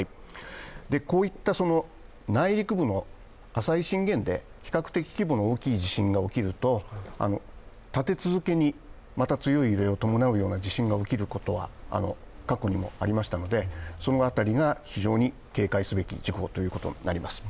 こういった内陸部の浅い震源で、比較的規模の大きい地震が起きると立て続けにまた強い揺れを伴うような地震が起きることは過去にもありましたのでその辺りが非常に警戒すべき事項ということになります。